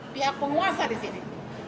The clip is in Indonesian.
pihak penguasa di sini